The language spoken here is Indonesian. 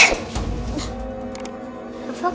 aku merasa malang